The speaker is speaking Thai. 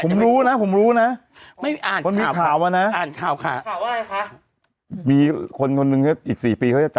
กูยกจะไปก่อนนะ